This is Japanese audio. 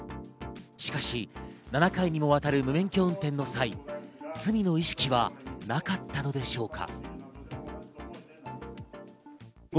しかし、７回にもわたる無免許運転の際、罪の意識はなかったのでしょうか？